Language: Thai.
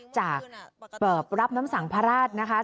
จากรับน้ำสังพระราชนะคะ